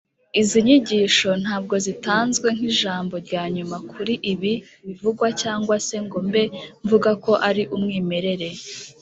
Izi nyigisho ntabwo zitanzwe nk'ijambo rya nyuma kuri ibi bivugwa cyangwa se ngo mbe mvuga ko ari umwimerere,